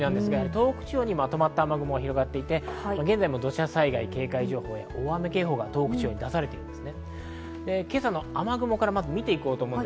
東北地方にまとまった雨雲が広がっていて現在も土砂災害警戒情報、大雨警報が東北地方に出されています。